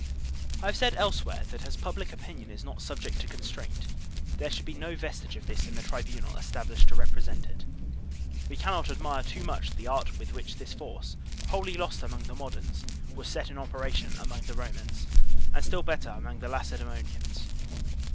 I have said elsewhere* that as public opinion is not aubject to constraint, there should be no vestige of this in the tribunal established to represent it. We cannot admire too much the art with which this force, wholly lost among the modems, was set in operation among the Romans and still better among the Lacedaemonians.